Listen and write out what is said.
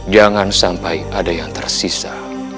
jangan sampai ada yang tersisa